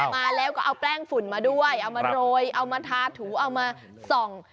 มาแล้วก็เอาแป้งฝุ่นมาด้วยเอามาโรยเอามาทาถูเอามาส่อง